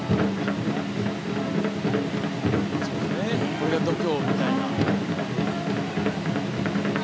これが度胸みたいな。